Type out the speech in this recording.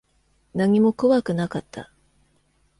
何も怖くなかった。